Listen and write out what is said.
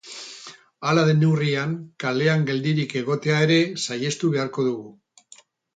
Hala den neurrian, kalean geldirik egotea ere saihestu beharko dugu.